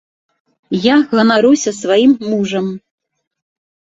Я ганаруся сваім мужам.